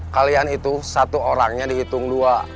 kalian itu satu orangnya dihitung dua